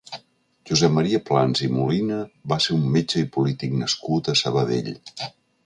Josep Maria Plans i Molina va ser un metge i polític nascut a Sabadell.